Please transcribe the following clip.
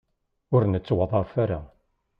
Ur nettwaḍḍaf ara.